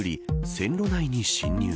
線路内に侵入。